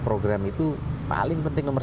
program itu paling penting nomor